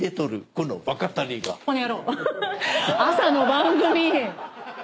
朝の番組！